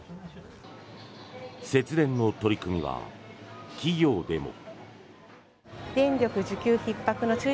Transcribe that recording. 節電の取り組みは企業でも。